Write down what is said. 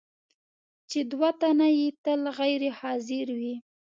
چې دوه تنه یې تل غیر حاضر وي.